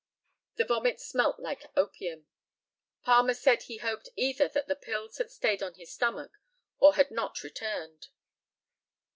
The vomit smelt like opium. Palmer said he hoped either that the pills had stayed on his stomach or had not returned.